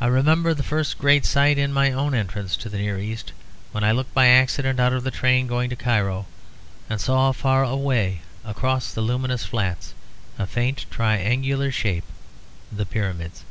I remember the first great sight in my own entrance to the Near East, when I looked by accident out of the train going to Cairo, and saw far away across the luminous flats a faint triangular shape; the Pyramids.